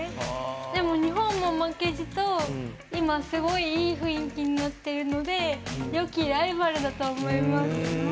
でも日本も負けじと今、すごいいい雰囲気になっているのでよきライバルだと思います。